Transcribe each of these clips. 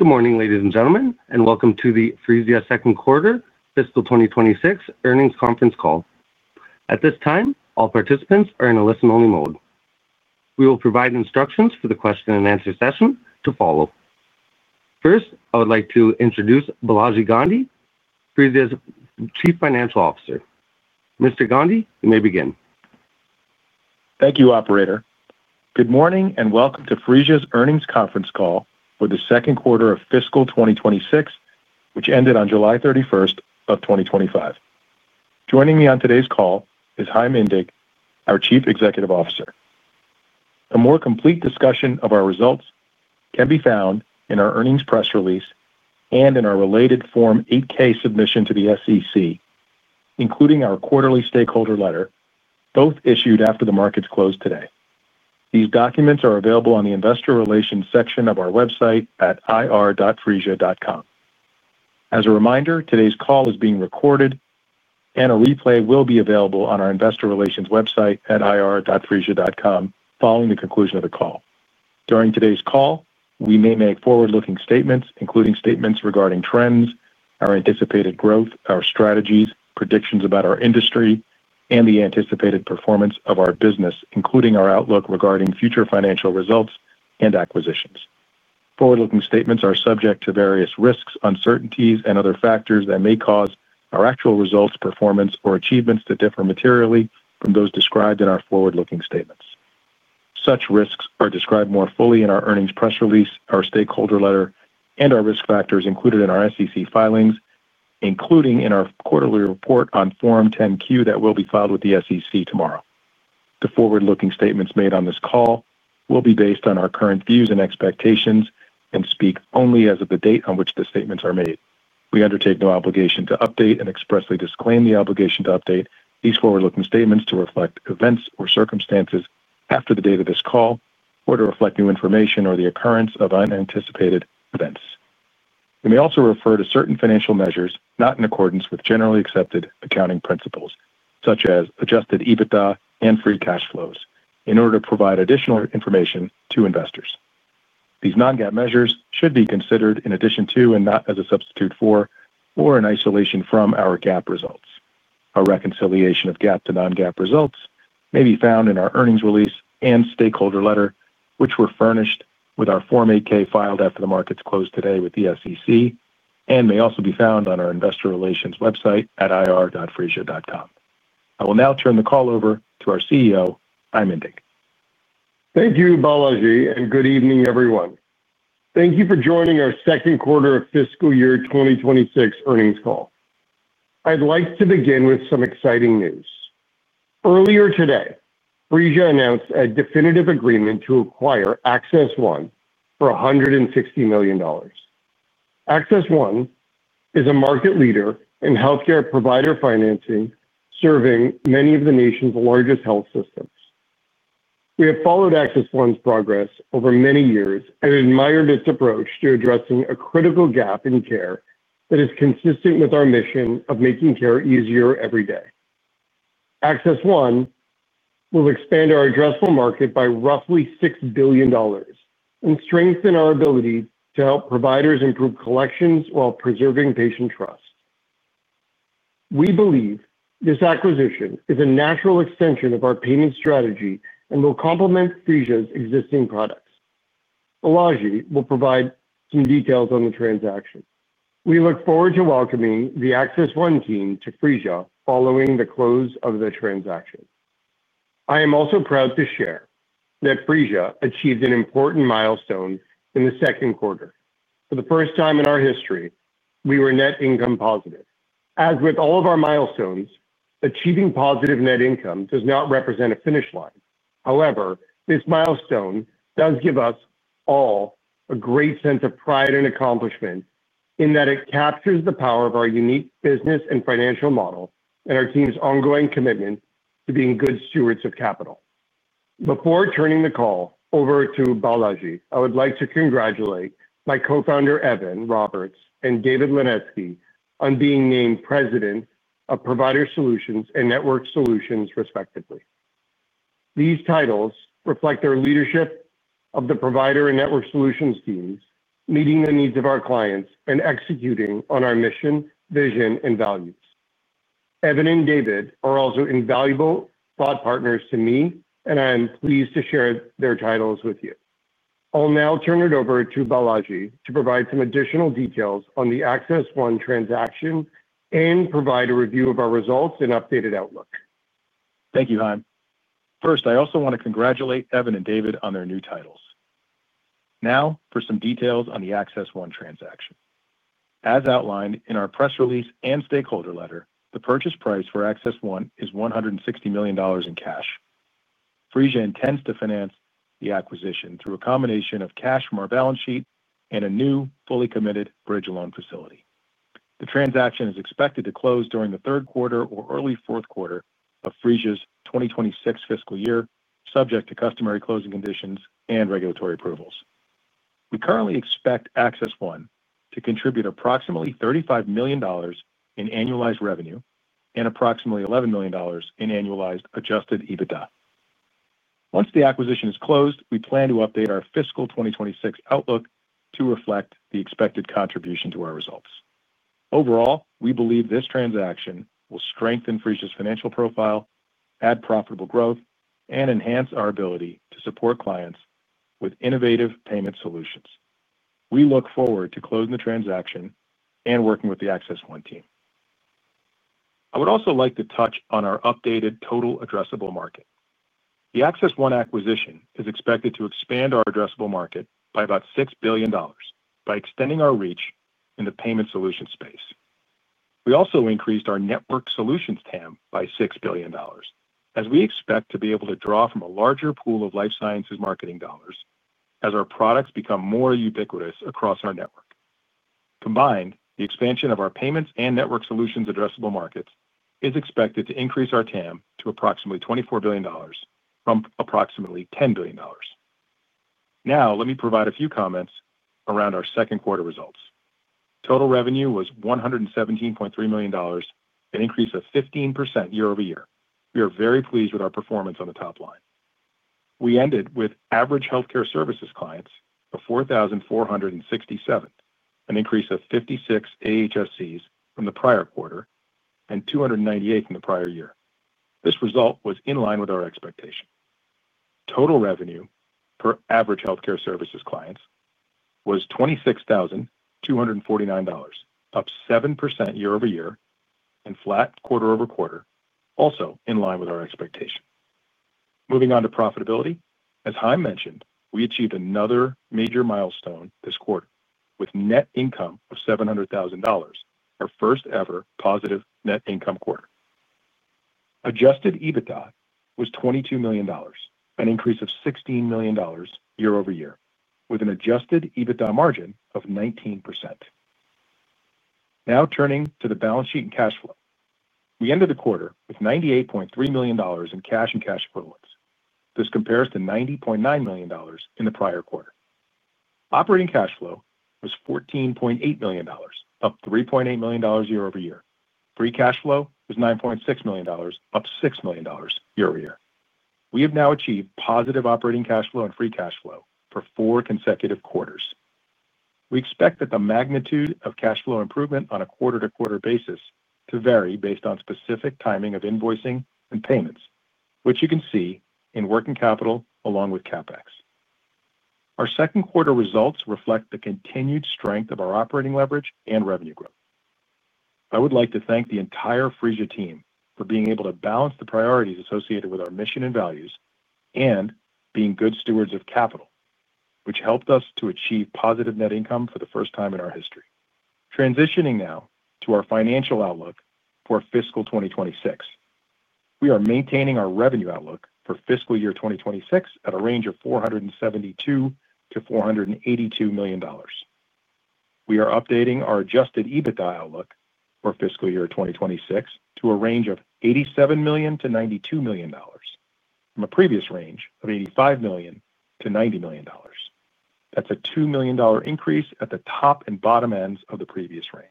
Good morning, ladies and gentlemen, and welcome to the Phreesia Second Quarter Fiscal 2026 Earnings Conference Call. At this time, all participants are in a listen-only mode. We will provide instructions for the question and answer session to follow. First, I would like to introduce Balaji Gandhi, Phreesia's Chief Financial Officer. Mr. Gandhi, you may begin. Thank you, Operator. Good morning and welcome to Phreesia's Earnings Conference Call for the second quarter of fiscal 2026, which ended on July 31st, 2025. Joining me on today's call is Chaim Indig, our Chief Executive Officer. A more complete discussion of our results can be found in our earnings press release and in our related Form 8-K submission to the SEC, including our quarterly stakeholder letter, both issued after the markets close today. These documents are available on the Investor Relations section of our website at ir.phreesia.com. As a reminder, today's call is being recorded, and a replay will be available on our Investor Relations website at ir.phreesia.com following the conclusion of the call. During today's call, we may make forward-looking statements, including statements regarding trends, our anticipated growth, our strategies, predictions about our industry, and the anticipated performance of our business, including our outlook regarding future financial results and acquisitions. Forward-looking statements are subject to various risks, uncertainties, and other factors that may cause our actual results, performance, or achievements to differ materially from those described in our forward-looking statements. Such risks are described more fully in our earnings press release, our stakeholder letter, and our risk factors included in our SEC filings, including in our quarterly report on Form 10-Q that will be filed with the SEC tomorrow. The forward-looking statements made on this call will be based on our current views and expectations and speak only as of the date on which the statements are made. We undertake no obligation to update and expressly disclaim the obligation to update these forward-looking statements to reflect events or circumstances after the date of this call or to reflect new information or the occurrence of unanticipated events. We may also refer to certain financial measures not in accordance with generally accepted accounting principles, such as adjusted EBITDA and free cash flow, in order to provide additional information to investors. These non-GAAP measures should be considered in addition to and not as a substitute for or in isolation from our GAAP results. A reconciliation of GAAP to non-GAAP results may be found in our earnings release and stakeholder letter, which were furnished with our Form 8-K filed after the markets close today with the SEC, and may also be found on our Investor Relations website at ir.phreesia.com. I will now turn the call over to our CEO, Chaim Indig. Thank you, Balaji, and good evening, everyone. Thank you for joining our Second Quarter of Fiscal Year 2026 Earnings Call. I'd like to begin with some exciting news. Earlier today, Phreesia announced a definitive agreement to acquire AccessOne for $160 million. AccessOne is a market leader in healthcare provider financing, serving many of the nation's largest health systems. We have followed AccessOne's progress over many years and admired its approach to addressing a critical gap in care that is consistent with our mission of making care easier every day. AccessOne will expand our addressable market by roughly $6 billion and strengthen our ability to help providers improve collections while preserving patient trust. We believe this acquisition is a natural extension of our payment strategy and will complement Phreesia's existing products. Balaji will provide some details on the transaction. We look forward to welcoming the AccessOne team to Phreesia following the close of the transaction. I am also proud to share that Phreesia achieved an important milestone in the second quarter. For the first time in our history, we were net income positive. As with all of our milestones, achieving positive net income does not represent a finish line. However, this milestone does give us all a great sense of pride and accomplishment in that it captures the power of our unique business and financial model and our team's ongoing commitment to being good stewards of capital. Before turning the call over to Balaji, I would like to congratulate my Co-Founder, Evan Roberts, and David Linetsky on being named President of Provider Solutions and Network Solutions, respectively. These titles reflect our leadership of the Provider and Network Solutions teams, meeting the needs of our clients and executing on our mission, vision, and values. Evan and David are also invaluable thought partners to me, and I am pleased to share their titles with you. I'll now turn it over to Balaji to provide some additional details on the AccessOne transaction and provide a review of our results and updated outlook. Thank you, Chaim. First, I also want to congratulate Evan and David on their new titles. Now, for some details on the AccessOne transaction. As outlined in our press release and stakeholder letter, the purchase price for AccessOne is $160 million in cash. Phreesia intends to finance the acquisition through a combination of cash from our balance sheet and a new, fully committed bridge loan facility. The transaction is expected to close during the third quarter or early fourth quarter of Phreesia's 2026 fiscal year, subject to customary closing conditions and regulatory approvals. We currently expect AccessOne to contribute approximately $35 million in annualized revenue and approximately $11 million in annualized adjusted EBITDA. Once the acquisition is closed, we plan to update our fiscal 2026 outlook to reflect the expected contribution to our results. Overall, we believe this transaction will strengthen Phreesia's financial profile, add profitable growth, and enhance our ability to support clients with innovative payment solutions. We look forward to closing the transaction and working with the AccessOne team. I would also like to touch on our updated total addressable market. The AccessOne acquisition is expected to expand our addressable market by about $6 billion by extending our reach in the payment solution space. We also increased our Network S olutions TAM by $6 billion, as we expect to be able to draw from a larger pool of life sciences marketing dollars as our products become more ubiquitous across our network. Combined, the expansion of our payments and Network Solutions addressable markets is expected to increase our TAM to approximately $24 billion from approximately $10 billion. Now, let me provide a few comments around our second quarter results. Total revenue was $117.3 million, an increase of 15% year- over- year. We are very pleased with our performance on the top line. We ended with average healthcare services clients of 4,467, an increase of 56 AHSCs from the prior quarter and 298 from the prior year. This result was in line with our expectation. Total revenue per average healthcare services clients was $26,249, up 7% year- over- year and flat quarter- over- quarter, also in line with our expectation. Moving on to profitability, as Chaim mentioned, we achieved another major milestone this quarter with net income of $700,000, our first ever positive net income quarter. Adjusted EBITDA was $22 million, an increase of $16 million year- over- year, with an adjusted EBITDA margin of 19%. Now turning to the balance sheet and cash flow. We ended the quarter with $98.3 million in cash and cash equivalents. This compares to $90.9 million in the prior quarter. Operating cash flow was $14.8 million, up $3.8 million year- over year. Free cash flow was $9.6 million, up $6 million year- over- year. We have now achieved positive operating cash flow and free cash flow for four consecutive quarters. We expect that the magnitude of cash flow improvement on a quarter-to-quarter basis to vary based on specific timing of invoicing and payments, which you can see in working capital along with CapEx. Our second quarter results reflect the continued strength of our operating leverage and revenue growth. I would like to thank the entire Phreesia team for being able to balance the priorities associated with our mission and values and being good stewards of capital, which helped us to achieve positive net income for the first time in our history. Transitioning now to our financial outlook for fiscal 2026. We are maintaining our revenue outlook for fiscal year 2026 at a range of $472 million - $482 million. We are updating our adjusted EBITDA outlook for fiscal year 2026 to a range of $87 million - $92 million, from a previous range of $85 million - $90 million. That's a $2 million increase at the top and bottom ends of the previous range.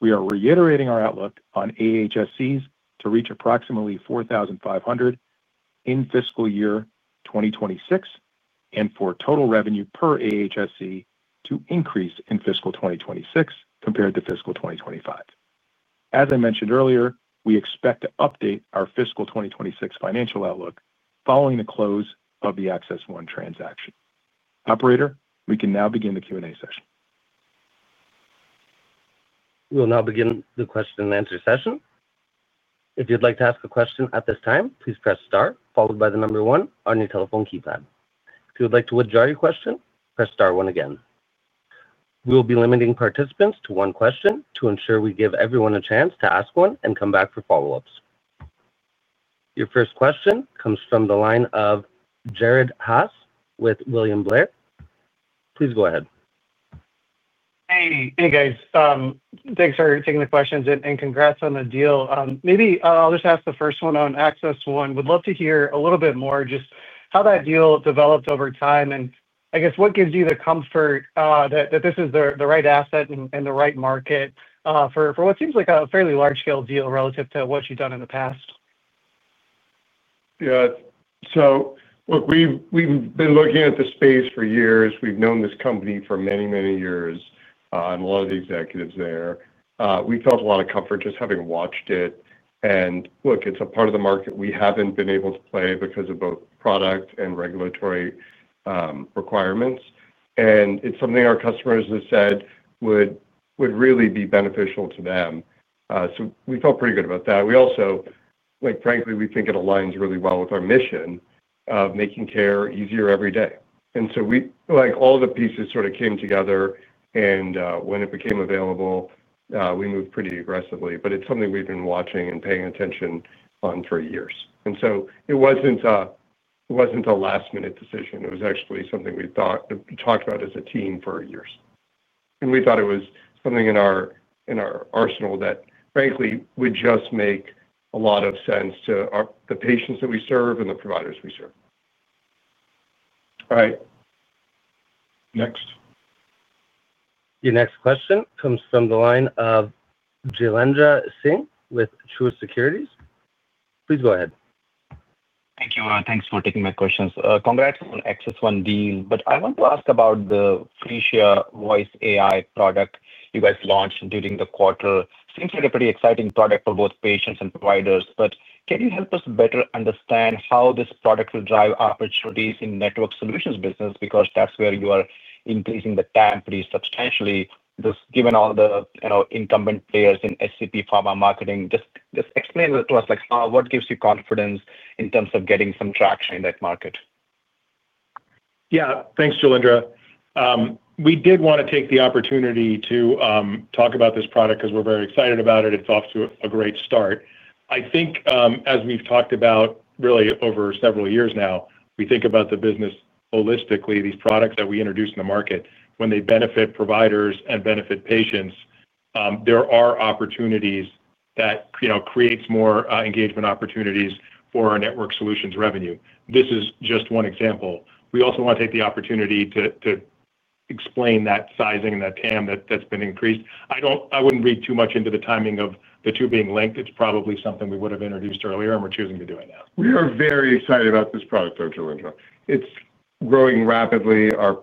We are reiterating our outlook on AHSCs to reach approximately 4,500 in fiscal year 2026 and for total revenue per AHSC to increase in fiscal 2026 compared to fiscal 2025. As I mentioned earlier, we expect to update our fiscal 2026 financial outlook following the close of the AccessOne transaction. Operator, we can now begin the Q&A session. We will now begin the question and answer session. If you'd like to ask a question at this time, please press star followed by the number one on your telephone keypad. If you would like to withdraw your question, press star one again. We will be limiting participants to one question to ensure we give everyone a chance to ask one and come back for follow-ups. Your first question comes from the line of Jared Haase with William Blair. Please go ahead. Hey, guys. Thanks for taking the questions and congrats on the deal. Maybe I'll just ask the first one on AccessOne. Would love to hear a little bit more just how that deal developed over time and I guess what gives you the comfort that this is the right asset and the right market for what seems like a fairly large-scale deal relative to what you've done in the past? Yeah, so look, we've been looking at the space for years. We've known this company for many, many years and a lot of the executives there. We felt a lot of comfort just having watched it. It's a part of the market we haven't been able to play because of both product and regulatory requirements. It's something our customers have said would really be beneficial to them. We felt pretty good about that. Also, frankly, we think it aligns really well with our mission of making care easier every day. All the pieces sort of came together, and when it became available, we moved pretty aggressively. It's something we've been watching and paying attention to for years. It wasn't a last-minute decision. It was actually something we've talked about as a team for years. We thought it was something in our arsenal that frankly would just make a lot of sense to the patients that we serve and the providers we serve. Next. Your next question comes from the line of Jailendra Singh with Truist Securities. Please go ahead. Thank you. Thanks for taking my questions. Congrats on the AccessOne deal, but I want to ask about the Phreesia Voice AI product you guys launched during the quarter. Seems like a pretty exciting product for both patients and providers, but can you help us better understand how this product will drive opportunities in the Network Solutions business? That's where you are increasing the TAM pretty substantially, just given all the incumbent players in STP pharma marketing. Just explain to us what gives you confidence in terms of getting some traction in that market. Yeah, thanks, Jailendra. We did want to take the opportunity to talk about this product because we're very excited about it. It's off to a great start. I think, as we've talked about really over several years now, we think about the business holistically. These products that we introduce in the market, when they benefit providers and benefit patients, there are opportunities that create more engagement opportunities for our Network S olutions revenue. This is just one example. We also want to take the opportunity to explain that sizing and that TAM that's been increased. I wouldn't read too much into the timing of the two being linked. It's probably something we would have introduced earlier and we're choosing to do it now. We are very excited about this product, though, Jailendra. It's growing rapidly. The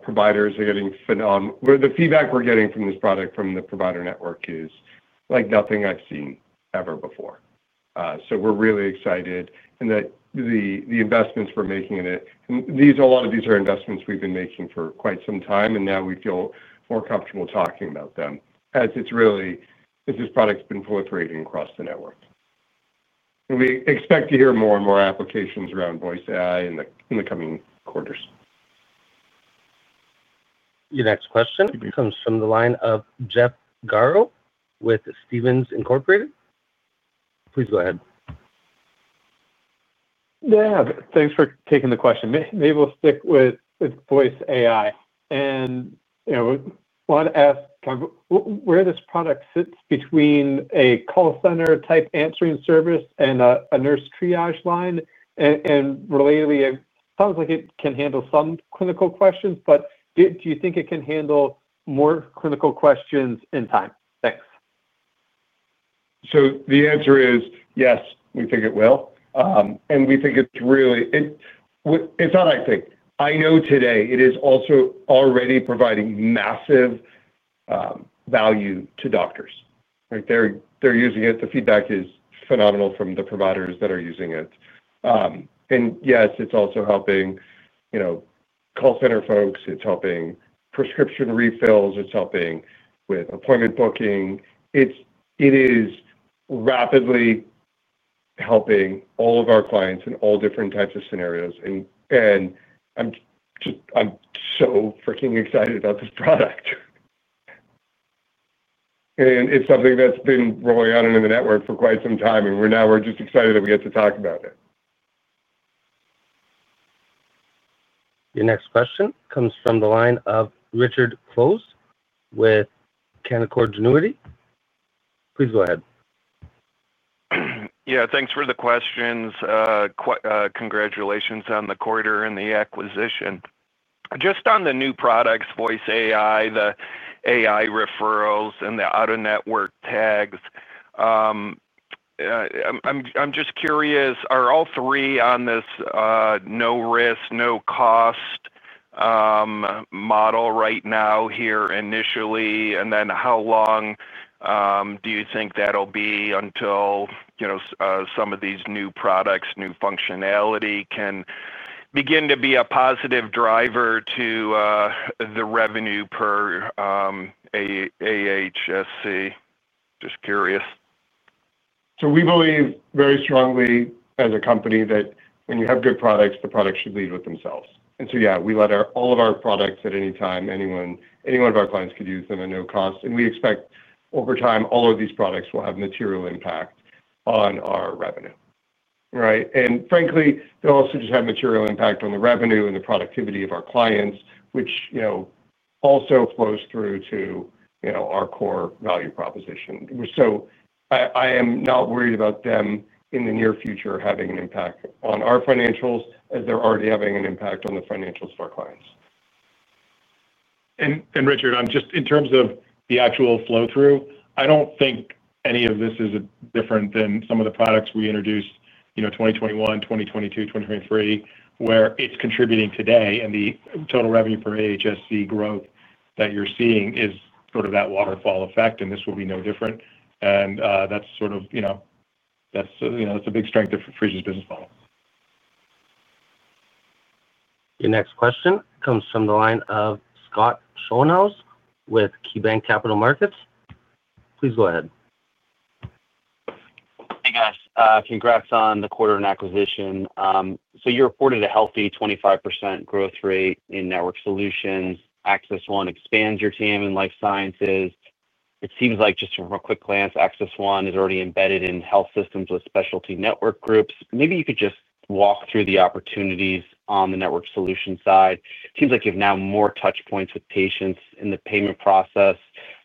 feedback we're getting from this product from the provider network is like nothing I've seen ever before. We are really excited and the investments we're making in it, a lot of these are investments we've been making for quite some time, and now we feel more comfortable talking about them as it's really, this product's been proliferating across the network. We expect to hear more and more applications around Voice AI in the coming quarters. Your next question comes from the line of Jeff Garro with Stephens Incorporated. Please go ahead. Yeah, thanks for taking the question. Maybe we'll stick with Voice AI. I want to ask kind of where this product sits between a call center type answering service and a nurse triage line. Relatedly, it sounds like it can handle some clinical questions, but do you think it can handle more clinical questions in time? Thanks. Yes, we think it will. We think it's really, it's not I think. I know today it is also already providing massive value to doctors. They're using it. The feedback is phenomenal from the providers that are using it. Yes, it's also helping, you know, call center folks. It's helping prescription refills. It's helping with appointment booking. It is rapidly helping all of our clients in all different types of scenarios. I'm just, I'm so freaking excited about this product. It's something that's been rolling out in the network for quite some time. We're now just excited that we get to talk about it. Your next question comes from the line of Richard Close with Canaccord Genuity. Please go ahead. Yeah, thanks for the questions. Congratulations on the quarter and the acquisition. Just on the new products, Voice AI, the AI referrals, and the auto-network tags, I'm just curious, are all three on this no-risk, no-cost model right now here initially? How long do you think that'll be until, you know, some of these new products, new functionality can begin to be a positive driver to the revenue per AHSC? Just curious. We believe very strongly as a company that when you have good products, the products should lead with themselves. We let all of our products at any time, any one of our clients could use them at no cost. We expect over time, all of these products will have material impact on our revenue, right? Frankly, they'll also just have material impact on the revenue and the productivity of our clients, which also flows through to our core value proposition. I am not worried about them in the near future having an impact on our financials as they're already having an impact on the financials of our clients. Richard, in terms of the actual flow-through, I don't think any of this is different than some of the products we introduced in 2021, 2022, 2023, where it's contributing today and the total revenue per AHSC growth that you're seeing is sort of that waterfall effect, and this will be no different. That's a big strength of Phreesia's business. Your next question comes from the line of Scott Schoenhaus with KeyBanc Capital Markets. Please go ahead. Hey guys, congrats on the quarter in acquisition. You reported a healthy 25% growth rate in Network Solutions. AccessOne expands your TAM in life sciences. It seems like just from a quick glance, AccessOne is already embedded in health systems with specialty network groups. Maybe you could just walk through the opportunities on the Network Solutions side. It seems like you have now more touch points with patients in the payment process,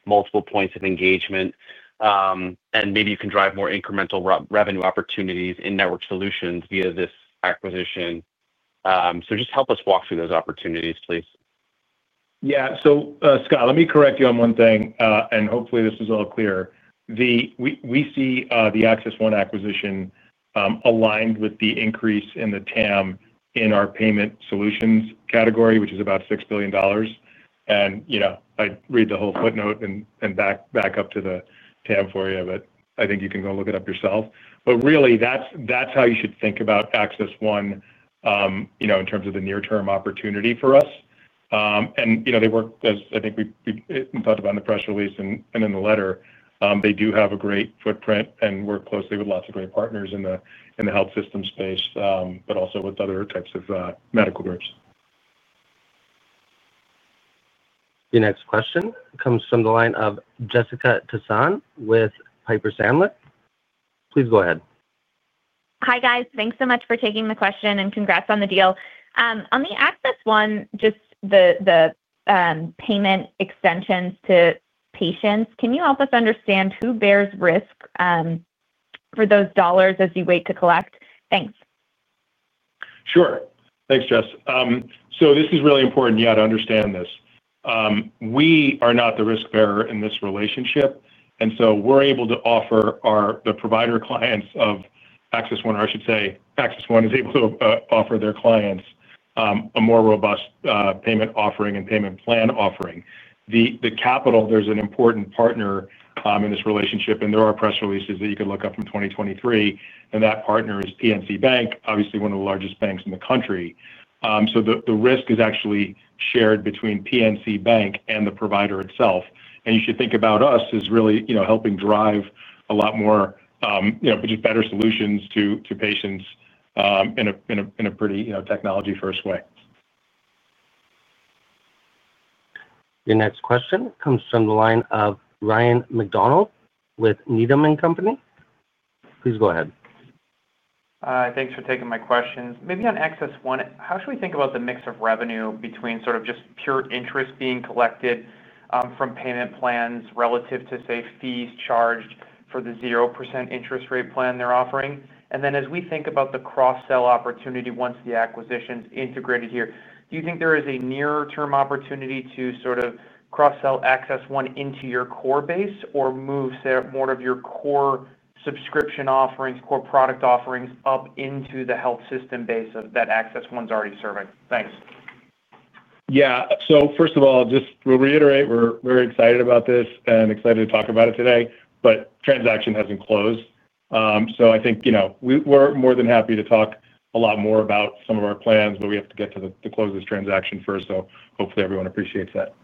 multiple points of engagement, and maybe you can drive more incremental revenue opportunities in Network Solutions via this acquisition. Just help us walk through those opportunities, please. Yeah, Scott, let me correct you on one thing, and hopefully this is all clear. We see the AccessOne acquisition aligned with the increase in the TAM in our payment solutions category, which is about $6 billion. I'd read the whole footnote and back up to the TAM for you, but I think you can go look it up yourself. Really, that's how you should think about AccessOne, in terms of the near-term opportunity for us. They work, as I think we talked about in the press release and in the letter, they do have a great footprint and work closely with lots of great partners in the health system space, but also with other types of medical groups. Your next question comes from the line of Jessica Tassan with Piper Sandler. Please go ahead. Hi guys, thanks so much for taking the question and congrats on the deal. On the AccessOne, just the payment extensions to patients, can you help us understand who bears risk for those dollars as you wait to collect? Thanks. Sure, thanks Jess. This is really important to understand. We are not the risk bearer in this relationship. We're able to offer the provider clients of AccessOne, or I should say AccessOne is able to offer their clients a more robust payment offering and payment plan offering. The capital, there's an important partner in this relationship, and there are press releases that you could look up from 2023. That partner is PNC Bank, obviously one of the largest banks in the country. The risk is actually shared between PNC Bank and the provider itself. You should think about us as really helping drive a lot more, just better solutions to patients in a pretty technology-first way. Your next question comes from the line of Ryan MacDonald with Needham & Company. Please go ahead. Thanks for taking my questions. Maybe on AccessOne, how should we think about the mix of revenue between sort of just pure interest being collected from payment plans relative to, say, fees charged for the 0% interest rate plan they're offering? As we think about the cross-sell opportunity once the acquisition is integrated here, do you think there is a near-term opportunity to sort of cross-sell AccessOne into your core base or move more of your core subscription offerings, core product offerings up into the health system base that AccessOne's already serving? Thanks. Yeah, first of all, we'll reiterate we're very excited about this and excited to talk about it today, but the transaction hasn't closed. I think we're more than happy to talk a lot more about some of our plans, but we have to get to close this transaction first. Hopefully, everyone appreciates that.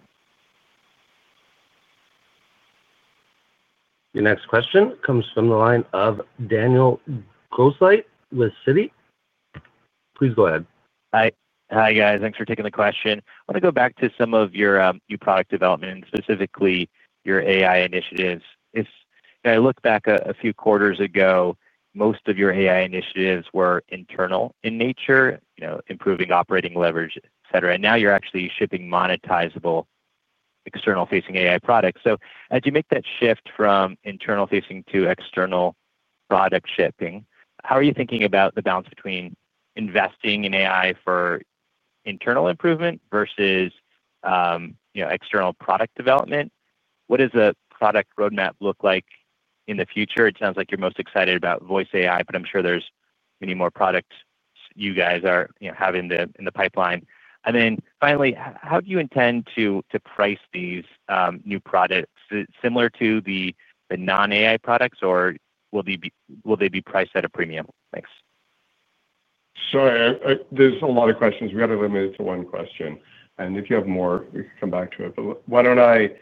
Your next question comes from the line of Daniel Grosslight with Citi. Please go ahead. Hi, hi guys, thanks for taking the question. I want to go back to some of your new product developments, specifically your AI initiatives. If I look back a few quarters ago, most of your AI initiatives were internal in nature, you know, improving operating leverage, et cetera. Now you're actually shipping monetizable external-facing AI products. As you make that shift from internal-facing to external product shipping, how are you thinking about the balance between investing in AI for internal improvement versus, you know, external product development? What does a product roadmap look like in the future? It sounds like you're most excited about Voice AI, but I'm sure there's many more products you guys are having in the pipeline. Finally, how do you intend to price these new products? Is it similar to the non-AI products, or will they be priced at a premium? Thanks. Sorry, there's a lot of questions. We had to limit it to one question. If you have more, we can come back to it. Why don't I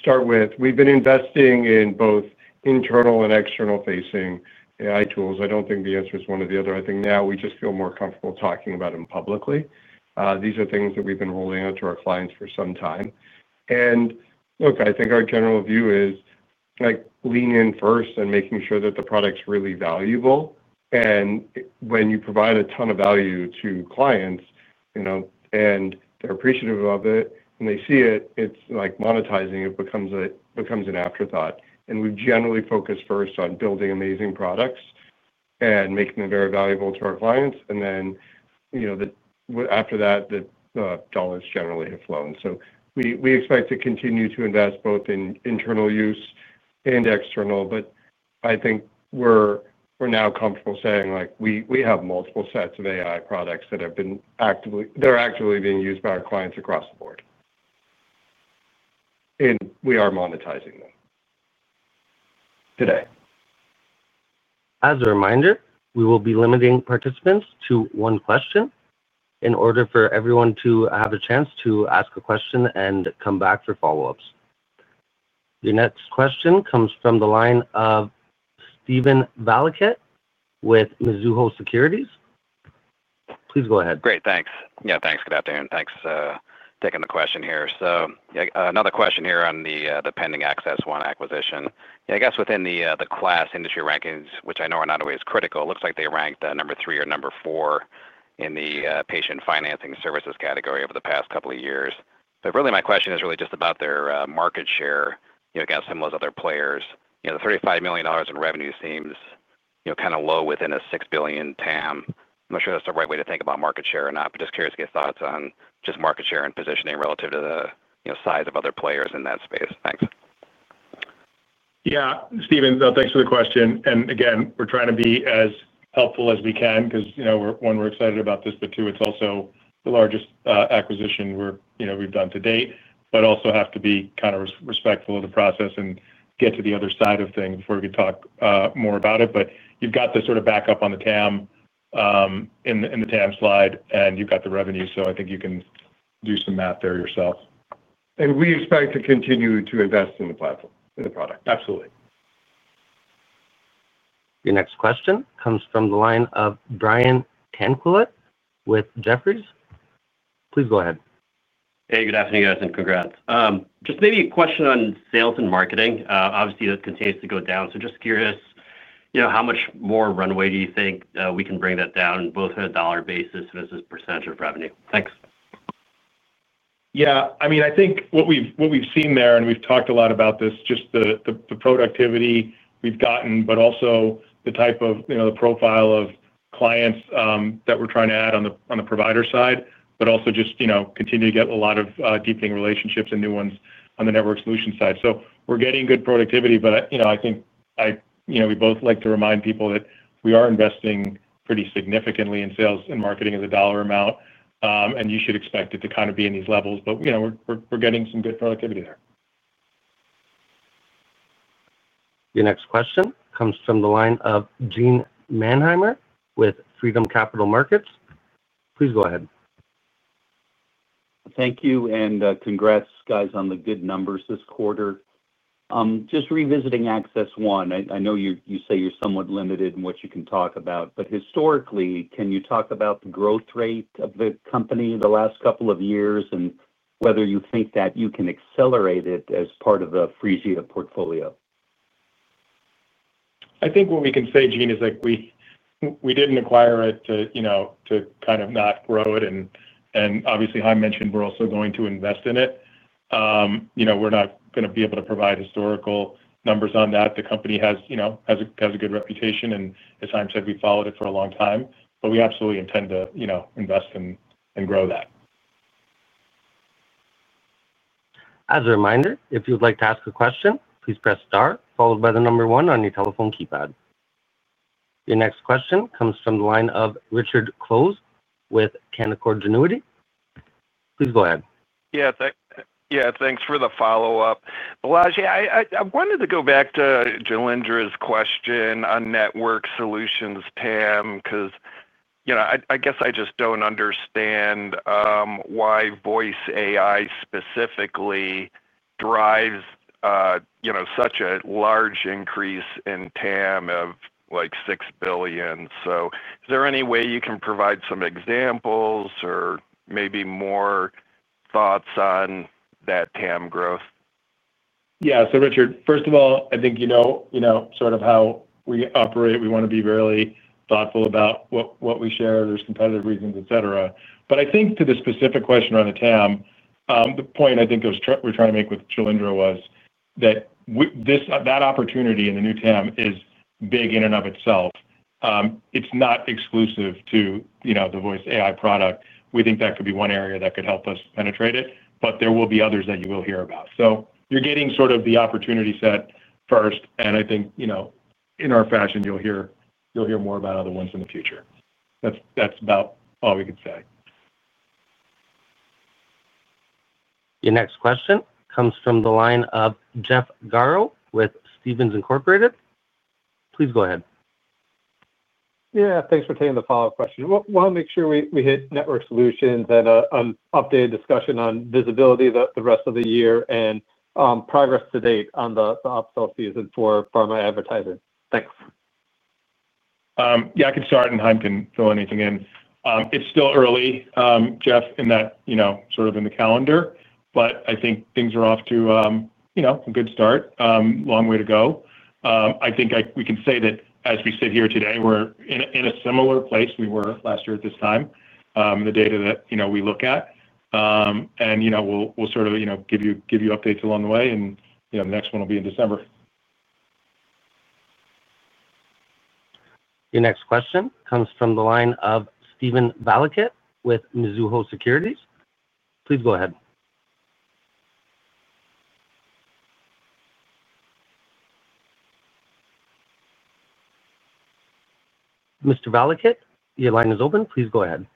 start with, we've been investing in both internal and external-facing AI tools. I don't think the answer is one or the other. I think now we just feel more comfortable talking about them publicly. These are things that we've been rolling out to our clients for some time. I think our general view is lean in first and make sure that the product's really valuable. When you provide a ton of value to clients, you know, and they're appreciative of it and they see it, it's like monetizing. It becomes an afterthought. We've generally focused first on building amazing products and making them very valuable to our clients. After that, the dollars generally have flown. We expect to continue to invest both in internal use and external. I think we're now comfortable saying we have multiple sets of AI products that are actively being used by our clients across the board, and we are monetizing them today. As a reminder, we will be limiting participants to one question in order for everyone to have a chance to ask a question and come back for follow-ups. Your next question comes from the line of Steven Valiquette with Mizuho Securities. Please go ahead. Great, thanks. Yeah, thanks, good afternoon. Thanks for taking the question here. Another question here on the pending AccessOne acquisition. Within the class industry rankings, which I know are not always critical, it looks like they ranked number three or number four in the patient financing services category over the past couple of years. My question is really just about their market share, kind of similar to other players. The $35 million in revenue seems kind of low within a $6 billion TAM. I'm not sure that's the right way to think about market share or not, but just curious to get thoughts on just market share and positioning relative to the size of other players in that space. Thanks. Yeah, Steven, thanks for the question. We're trying to be as helpful as we can because, you know, one, we're excited about this, but two, it's also the largest acquisition we've done to date. We also have to be kind of respectful of the process and get to the other side of things before we could talk more about it. You've got the sort of backup on the TAM in the TAM slide, and you've got the revenue, so I think you can do some math there yourself. We expect to continue to invest in the platform, in the product. Absolutely. Your next question comes from the line of Brian Tanquilut with Jefferies. Please go ahead. Hey, good afternoon guys, and congrats. Just maybe a question on sales and marketing. Obviously, that continues to go down. Just curious, you know, how much more runway do you think we can bring that down both at a dollar basis versus percent of revenue? Thanks. Yeah, I mean, I think what we've seen there, and we've talked a lot about this, is just the productivity we've gotten, but also the type of, you know, the profile of clients that we're trying to add on the provider side, and also just, you know, continue to get a lot of deepening relationships and new ones on the network solution side. We're getting good productivity, and I think I, you know, we both like to remind people that we are investing pretty significantly in sales and marketing as a dollar amount, and you should expect it to kind of be in these levels, but, you know, we're getting some good productivity there. Your next question comes from the line of Gene Mannheimer with Freedom Capital Markets. Please go ahead. Thank you, and congrats guys on the good numbers this quarter. Just revisiting AccessOne, I know you say you're somewhat limited in what you can talk about, but historically, can you talk about the growth rate of the company the last couple of years and whether you think that you can accelerate it as part of the Phreesia portfolio? I think what we can say, Gene, is we didn't acquire it to not grow it. Obviously, I mentioned we're also going to invest in it. We're not going to be able to provide historical numbers on that. The company has a good reputation, and as I'm saying, we followed it for a long time. We absolutely intend to invest in and grow that. As a reminder, if you'd like to ask a question, please press star, followed by the number one on your telephone keypad. Your next question comes from the line of Richard Close with Canaccord Genuity. Please go ahead. Yeah, thanks for the follow-up. Balaji, I wanted to go back to Jailendra's question on Network Solutions TAM, because, you know, I guess I just don't understand why Voice AI specifically drives, you know, such a large increase in TAM of like $6 billion. Is there any way you can provide some examples or maybe more thoughts on that TAM growth? Yeah, so Richard, first of all, I think you know how we operate. We want to be really thoughtful about what we share. There are competitive reasons, et cetera. I think to the specific question on the TAM, the point I think that we're trying to make with Jailendra was that this opportunity in the new TAM is big in and of itself. It's not exclusive to the Voice AI product. We think that could be one area that could help us penetrate it, but there will be others that you will hear about. You're getting the opportunity set first, and I think, in our fashion, you'll hear more about other ones in the future. That's about all we could say. Your next question comes from the line of Jeff Garro with Stephens Incorporated. Please go ahead. Yeah, thanks for taking the follow-up question. We'll make sure we hit Network Solutions and an updated discussion on visibility the rest of the year and progress to date on the upsell season for pharma advertising. Thanks. Yeah, I can start and Chaim can fill anything in. It's still early, Jeff, in that, you know, sort of in the calendar, but I think things are off to, you know, a good start. Long way to go. I think we can say that as we sit here today, we're in a similar place we were last year at this time, the data that, you know, we look at. We'll sort of, you know, give you updates along the way, and the next one will be in December. Your next question comes from the line of Steven Valiquette with Mizuho Securities. Please go ahead. Mr. Valiquette, your line is open. Please go ahead.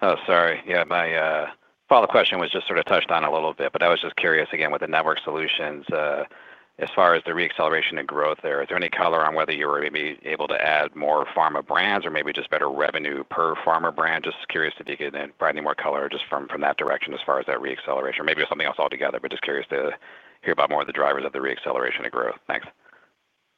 Oh, sorry. My follow-up question was just sort of touched on a little bit, but I was just curious again with the Network Solutions, as far as the re-acceleration and growth there. Is there any color on whether you were maybe able to add more pharma brands or maybe just better revenue per pharma brand? Just curious if you could provide any more color just from that direction as far as that re-acceleration. Maybe it was something else altogether, just curious to hear about more of the drivers of the re-acceleration and growth. Thanks.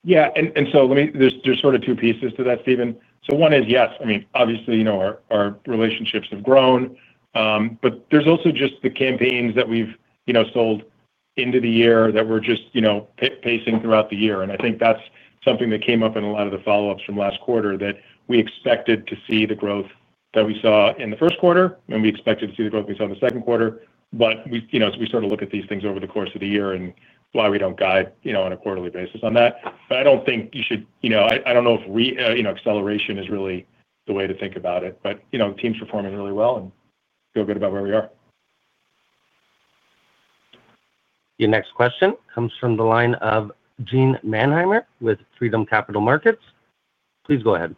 Yeah, let me, there's sort of two pieces to that, Steven. One is, yes, obviously, our relationships have grown, but there's also just the campaigns that we've sold into the year that we're just pacing throughout the year. I think that's something that came up in a lot of the follow-ups from last quarter that we expected to see the growth that we saw in the first quarter, and we expected to see the growth we saw in the second quarter. We sort of look at these things over the course of the year and why we don't guide on a quarterly basis on that. I don't think you should, I don't know if re-acceleration is really the way to think about it. The team's performing really well and feel good about where we are. Your next question comes from the line of Gene Mannheimer with Freedom Capital Markets. Please go ahead.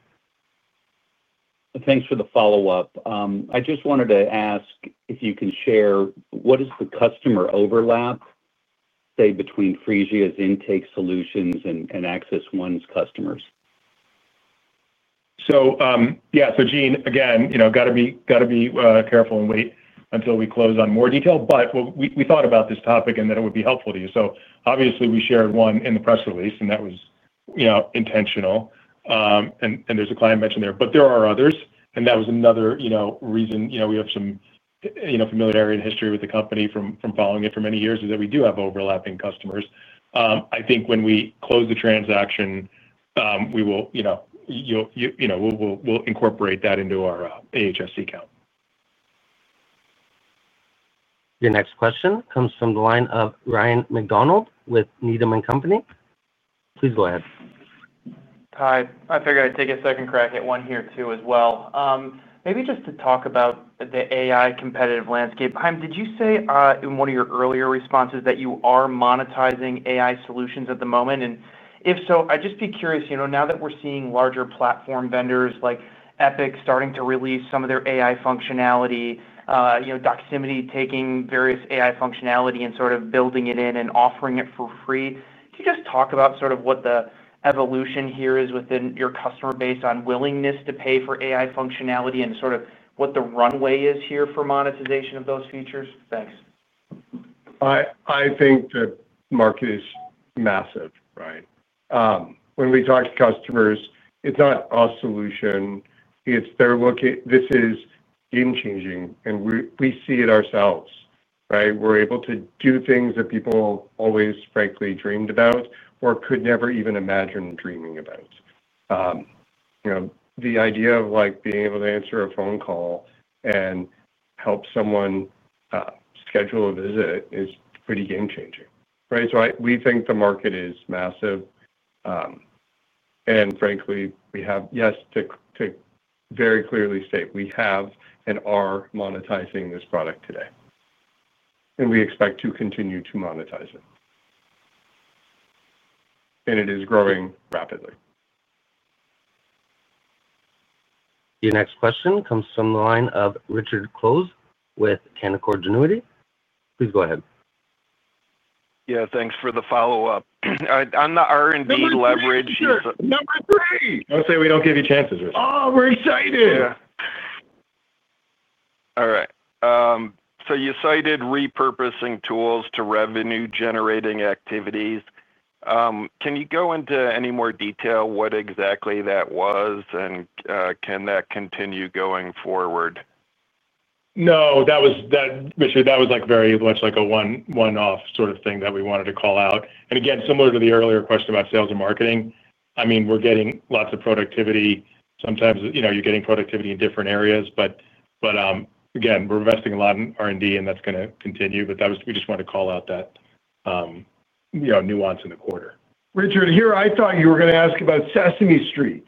Thanks for the follow-up. I just wanted to ask if you can share what is the customer overlap, say, between Phreesia's intake solutions and AccessOne's customers? Yeah, Gene, again, you know, got to be careful and wait until we close on more detail. We thought about this topic and that it would be helpful to you. Obviously, we shared one in the press release, and that was intentional. There's a client mentioned there, but there are others. That was another reason we have some familiarity and history with the company from following it for many years, is that we do have overlapping customers. I think when we close the transaction, we will incorporate that into our AHSC account. Your next question comes from the line of Ryan MacDonald with Needham & Company. Please go ahead. Hi, I figured I'd take a second crack at one here too as well. Maybe just to talk about the AI competitive landscape. Chaim, did you say in one of your earlier responses that you are monetizing AI solutions at the moment? If so, I'd just be curious, now that we're seeing larger platform vendors like Epic starting to release some of their AI functionality, Doximity taking various AI functionality and sort of building it in and offering it for free, could you just talk about what the evolution here is within your customer base on willingness to pay for AI functionality and what the runway is here for monetization of those features? Thanks. I think the market is massive, right? When we talk to customers, it's not a solution. They're looking, this is game-changing and we see it ourselves, right? We're able to do things that people always frankly dreamed about or could never even imagine dreaming about. The idea of like being able to answer a phone call and help someone schedule a visit is pretty game-changing, right? We think the market is massive. Frankly, we have, yes, to very clearly state, we have and are monetizing this product today. We expect to continue to monetize it, and it is growing rapidly. Your next question comes from the line of Richard Close with Canaccord Genuity. Please go ahead. Yeah, thanks for the follow-up. All right, on the R&D leverage. Number three! I was saying we don't give you chances, Richard. Oh, we're excited! Yeah. All right. You cited repurposing tools to revenue-generating activities. Can you go into any more detail what exactly that was, and can that continue going forward? No, Richard, that was very much a one-off sort of thing that we wanted to call out. Similar to the earlier question about sales and marketing, we're getting lots of productivity. Sometimes you're getting productivity in different areas, but we're investing a lot in R&D and that's going to continue. We just wanted to call out that nuance in the quarter. Richard, here I thought you were going to ask about Sesame Street.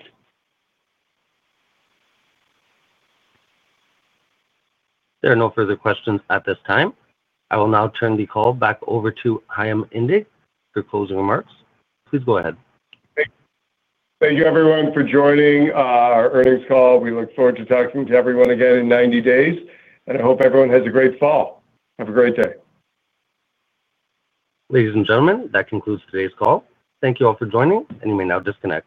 There are no further questions at this time. I will now turn the call back over to Chaim Indig for closing remarks. Please go ahead. Thank you, everyone, for joining our earnings call. We look forward to talking to everyone again in 90 days. I hope everyone has a great fall. Have a great day. Ladies and gentlemen, that concludes today's call. Thank you all for joining, and you may now discontinue.